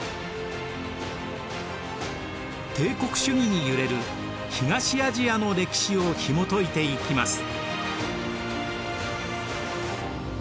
帝国主義に揺れる東アジアの歴史をひもといていきます。